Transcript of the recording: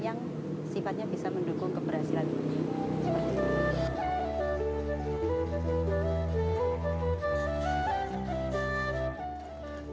yang sifatnya bisa mendukung keberhasilan ini